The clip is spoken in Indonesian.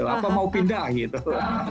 apa mau pindah gitu